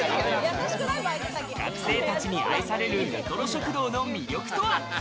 学生たちに愛されるレトロ食堂の魅力とは？